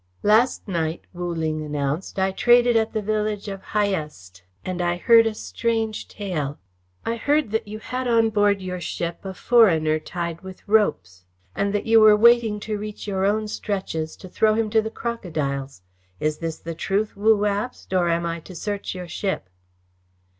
"Last night," Wu Ling announced, "I traded at the village of Hyest, and I heard a strange tale. I heard that you had on board your ship a foreigner tied with ropes, and that you were waiting to reach your own stretches to throw him to the crocodiles. Is this the truth, Wu Abst, or am I to search your ship?"